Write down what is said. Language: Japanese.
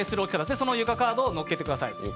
その床カードをのっけてください。